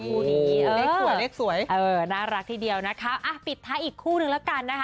คู่นี้เออน่ารักทีเดียวนะคะอ่ะปิดท้ายีกคู่นึงแล้วกันนะคะ